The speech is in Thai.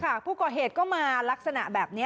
ผู้ก่อเหตุก็มาลักษณะแบบนี้